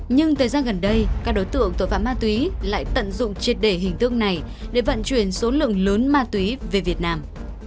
nhưng thời gian gần đây các đối tượng tội phạm ma túy lại tận dụng triệt đề hình tượng này để vận chuyển số lượng lớn ma túy về việt nam